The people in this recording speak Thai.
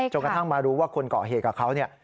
กระทั่งมารู้ว่าคนเกาะเหตุกับเขาเนี่ย